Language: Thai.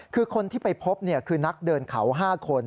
คือคนที่ไปพบคือนักเดินเขา๕คน